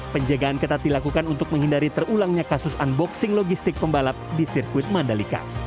penjagaan ketat dilakukan untuk menghindari terulangnya kasus unboxing logistik pembalap di sirkuit mandalika